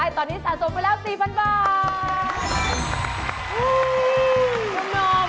ตอนนี้สะสมไปแล้ว๔๐๐๐บาท